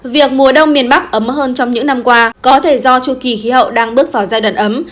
việc mùa đông miền bắc ấm hơn trong những năm qua có thể do chu kỳ khí hậu đang bước vào giai đoạn ấm